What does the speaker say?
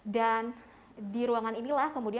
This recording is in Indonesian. dan di ruangan inilah kemudian